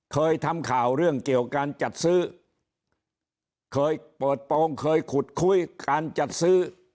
เคยทำข่าวเรื่องเกี่ยวการจัดซื้อเคยเปิดโปรงเคยขุดคุยการจัดซื้อ